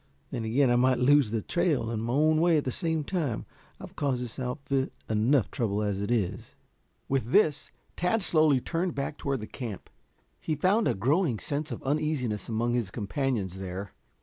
Then again I might lose the trail and my own way at the same time. I've caused this outfit enough trouble as it is." With this, Tad slowly turned back toward the camp. He found a growing sense of uneasiness among his companions there.